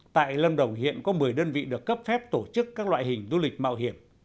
tại lâm đồng hiện có một mươi đơn vị được cấp phép tổ chức các loại hình du lịch mạo hiểm